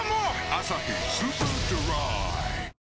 「アサヒスーパードライ」